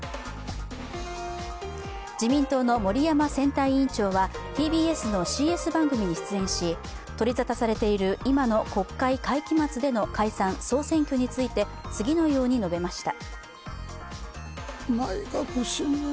自民党の森山選対委員長はＴＢＳのＣＳ番組に出演し取り沙汰されている今の国会会期末での解散総選挙について次のように述べました。